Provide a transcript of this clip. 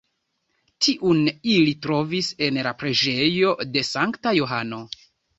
Tiun ili trovis en la preĝejo de Sankta Johano.